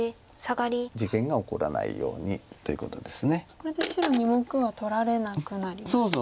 これで白２目は取られなくなりました。